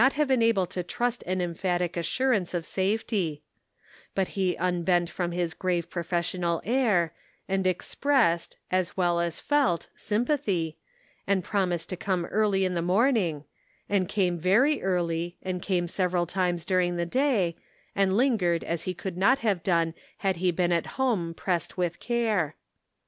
367 have been able to trust an emphatic assurance of safety ; but he unbent from his grave pro fessional air, and expressed as well as felt sym pathy, and promised to come early in the morn ing, and came very early, and came several times during the day, and lingered as he could not have done had he been at home pressed with care.